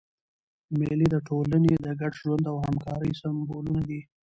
مېلې د ټولني د ګډ ژوند او همکارۍ سېمبولونه دي.